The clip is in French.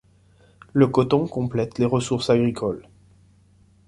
Le coton complète les ressources agricoles.